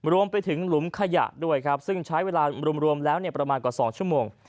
รวมไปถึงหลุมขยะด้วยครับซึ่งใช้เวลารวมแล้วประมาณกว่า๒ชั่วโมง